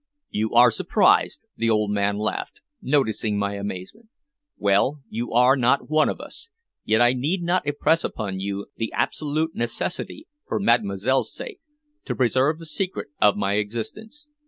"You are surprised," the old man laughed, noticing my amazement. "Well, you are not one of us, yet I need not impress upon you the absolute necessity, for Mademoiselle's sake, to preserve the secret of my existence.